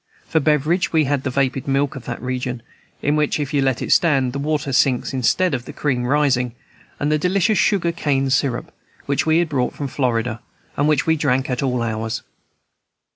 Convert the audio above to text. For beverage, we had the vapid milk of that region, in which, if you let it stand, the water sinks instead of the cream's rising; and the delicious sugar cane syrup, which we had brought from Florida, and which we drank at all hours.